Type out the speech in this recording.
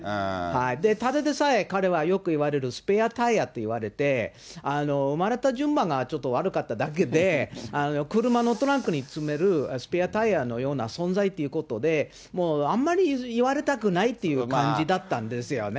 で、ただでさえ彼はよくいわれるスペアタイヤって言われて、産まれた順番がちょっと悪かっただけで、車のトランクに詰めるスペアタイヤのような存在っていうことで、もうあんまり言われたくないという感じだったんですよね。